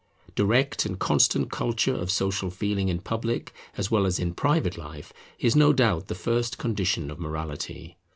Direct and constant culture of Social Feeling in public as well as in private life is no doubt the first condition of morality.